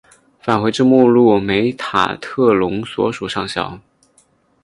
返回至目录梅塔特隆所属上校。